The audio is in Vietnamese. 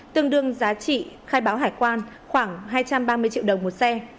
tương đương giá trị khai báo hải quan khoảng hai trăm ba mươi triệu đồng một xe